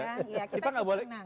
dua duanya cerah ya